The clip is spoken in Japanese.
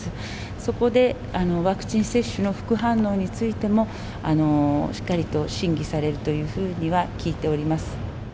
そこでワクチン接種の副反応についても、しっかりと審議されるというふうには聞いております。